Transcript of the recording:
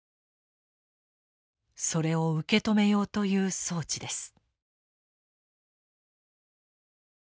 それを受け止めようという装置です。